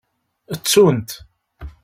Ttunt-t.